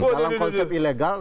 kalau konsep ilegal